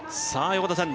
横田さん